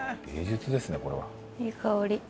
いい香り。